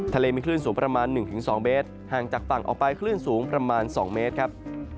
ทะเลมีคลื่นสูงประมาณ๑๒เมตรห่างจากฝั่งออกไปคลื่นสูงประมาณ๒เมตรครับ